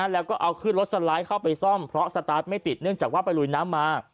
แล้วก็เอาขึ้นรถสไลด์เข้าไปซ่อมเพราะสตาร์ทไม่ติดเนื่องจากว่าไปลุยน้ำมา